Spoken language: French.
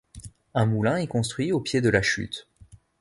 Un moulin est construit au pied de la chute.